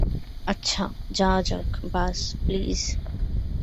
আচ্ছা, যাওয়া যাক, বাস, প্লিজ?